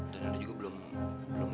dan aneh juga belum